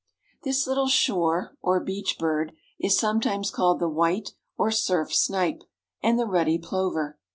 This little shore or beach bird is sometimes called the White or Surf Snipe, and the Ruddy Plover.